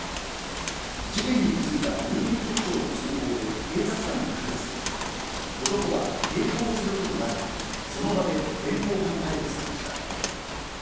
事件に気付いた郵便局長の通報で警察官が駆けつけ、男は抵抗することなく、その場で現行犯逮捕されました。